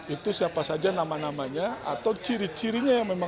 itu siapa saja nama namanya atau ciri cirinya